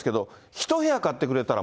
１部屋買ってくれたら、